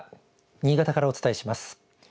新潟からお伝えします。